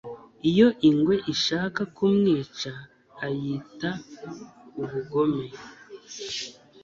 iyo ingwe ishaka kumwica ayita ubugome